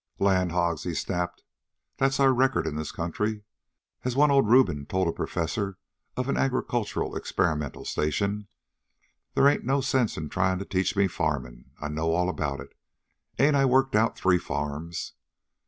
"Land hogs," he snapped. "That's our record in this country. As one old Reuben told a professor of an agricultural experiment station: 'They ain't no sense in tryin' to teach me farmin'. I know all about it. Ain't I worked out three farms?'